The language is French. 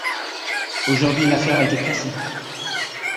Aujourd'hui, l'affaire a été classée.